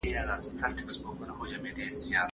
شپې که هر څومره اوږدې وي عاقبت به لمر ځلیږي